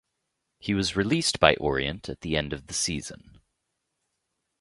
He was released by Orient at the end of the season.